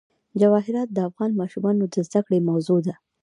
جواهرات د افغان ماشومانو د زده کړې موضوع ده.